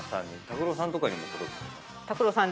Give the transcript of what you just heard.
拓郎さんとかにも届く？